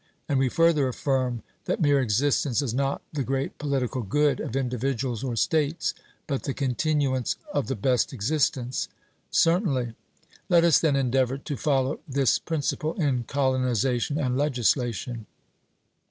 And we further affirm that mere existence is not the great political good of individuals or states, but the continuance of the best existence. 'Certainly.' Let us then endeavour to follow this principle in colonization and legislation.